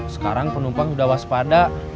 sekarang penumpang sudah waspada